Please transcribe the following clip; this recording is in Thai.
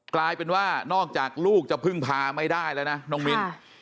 กลายเป็นว่านอกจากลูกจะพึ่งพาไม่ได้แล้วนะน้องมิ้น